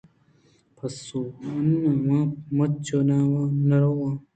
پسّو: اِنّا، من مَچھ ءَ نہ رو آں